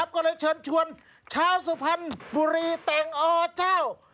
ก็เลยเชิญชวนชาวสุพรรณบุรีแต่งอเจ้า